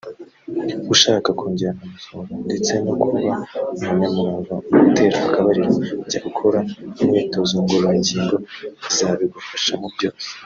ushaka kongera amasohoro ndetse no kuba umunyamurava mu gutera akabariro jya ukora imyitozo ngororagingo izabigufashamo byose